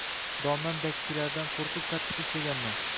Domlam dakkilaridan qoʻrqib qattiq ishlaganman.